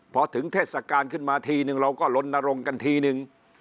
พอถึงเทศกาลขึ้นมาทีนึงเราก็ลนรงค์กันทีนึง